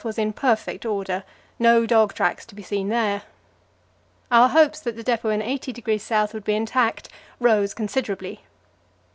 was in perfect order; no dog tracks to be seen there. Our hopes that the depot in 80° S. would be intact rose considerably.